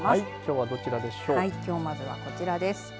はい、きょうまずはこちらです。